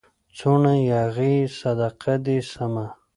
څونه ياغي يې صدقه دي سمه